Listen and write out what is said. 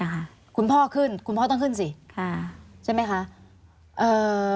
ค่ะคุณพ่อขึ้นคุณพ่อต้องขึ้นสิค่ะใช่ไหมคะเอ่อ